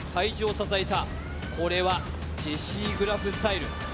これはジェシー・グラフスタイル。